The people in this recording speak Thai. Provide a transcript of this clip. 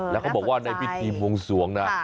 แล้วเขาบอกว่าในพิธีบวงสวงนะ